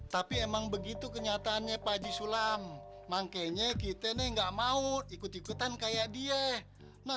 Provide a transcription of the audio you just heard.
tapi emang begitu kenyataannya fadzi sulam makanya kita nih nggak mau ikut ikutan kayak dia nah